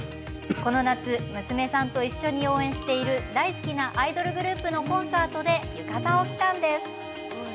この夏娘さんと一緒に応援している大好きなアイドルグループのコンサートで浴衣を着ました。